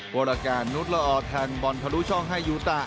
พลการณ์นุษย์ละออดทางบอลพรุช่องให้ยูตา